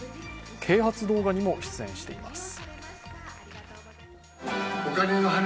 啓発動画にも出演しています。